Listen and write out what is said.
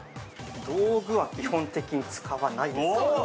◆道具は、基本的に使わないです。